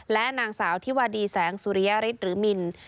และนางสาวที่วาดีแสงสุริยฤทธิ์หรือมิน